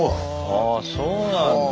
ああそうなんだ。